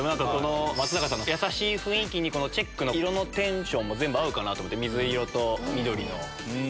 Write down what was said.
松坂さんの優しい雰囲気にチェックの色のテンションも全部合うかなと思って水色と緑の。